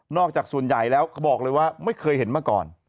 จากส่วนใหญ่แล้วเขาบอกเลยว่าไม่เคยเห็นมาก่อน